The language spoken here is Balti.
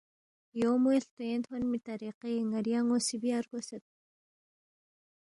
یو موے ہلتوینگ تھونمی طریقے ن٘ری ان٘و سی بیا رگوسید